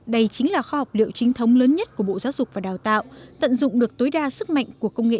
đây chính là kho học liệu chính thống lớn nhất của bộ giáo dục và đào tạo tận dụng được tối đa sức mạnh của công nghệ